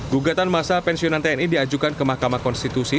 gugatan masa pensiunan tni diajukan ke mahkamah konstitusi